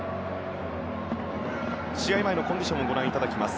試合前のコンディションをご覧いただきます。